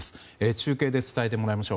中継で伝えてもらいましょう。